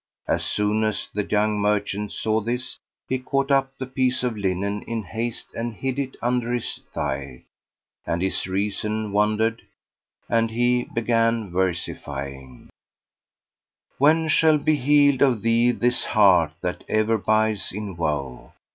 As soon as the young merchant saw this he caught up the piece of linen in haste and hid it under his thigh; and his reason wandered, and he began versifying, "When shall be healed of thee this heart that ever bides in woe?